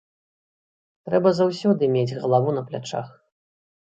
Трэба заўсёды мець галаву на плячах.